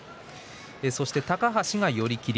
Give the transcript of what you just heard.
そして高橋が寄り切り。